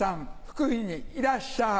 福井にいらっしゃい。